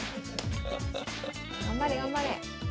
頑張れ頑張れ。